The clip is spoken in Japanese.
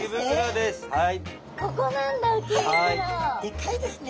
でかいですね。